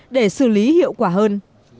sáu để xử lý hiệu quả hơn